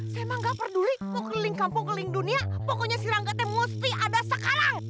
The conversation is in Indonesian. s'emang gak peduli mau keliling kampung keliling dunia pokoknya si ranggatnya mesti ada sekarang